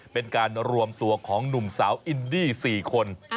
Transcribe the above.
เป็นการรวมตัวของหนุ่มสาวอินดี้๔คน